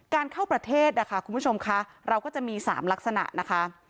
เข้าประเทศนะคะคุณผู้ชมค่ะเราก็จะมี๓ลักษณะนะคะ